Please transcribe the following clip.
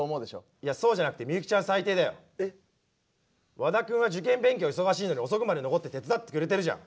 和田君は受験勉強忙しいのに遅くまで残って手伝ってくれてるじゃん。